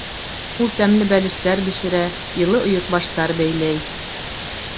Ул тәмле бәлештәр бешерә, йылы ойоҡбаштар бәйләй.